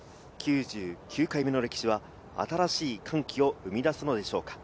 ９９回目の歴史は新しい歓喜を生み出すのでしょうか。